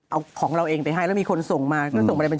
เอาของเราเองไปให้แล้วมีคนส่งมา